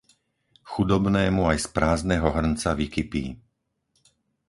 Chudobnému aj z prázdneho hrnca vykypí.